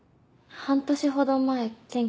半年ほど前研究中に。